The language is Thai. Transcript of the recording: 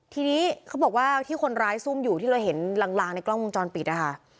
ทีนี้เขาบอกว่าที่คนร้ายซุ่มอยู่ที่เราเห็นลางในกล้องวงจรปิดนะคะ